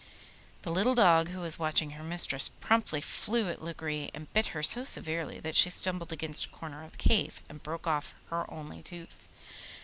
The little dog who was watching her mistress promptly flew at Lagree and bit her so severely that she stumbled against a corner of the cave and broke off her only tooth.